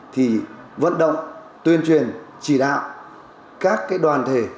thì vận động tuyên truyền chỉ đạo các đoàn thể